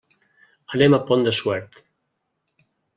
Anem al Pont de Suert.